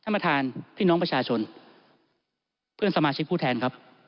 ท่านประธานพี่น้องประชาชนเพื่อนสมาชิกผู้แทนครับ